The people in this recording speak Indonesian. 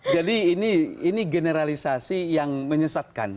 jadi ini generalisasi yang menyesatkan